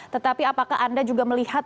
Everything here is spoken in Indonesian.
tetapi apakah anda juga melihat